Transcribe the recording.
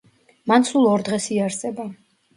მან სულ ორ დღეს იარსება.